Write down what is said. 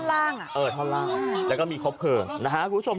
ล่างอ่ะเออท่อนล่างแล้วก็มีครบเพลิงนะฮะคุณผู้ชม